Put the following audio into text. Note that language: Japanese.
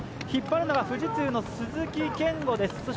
引っ張るのは富士通の鈴木健吾です。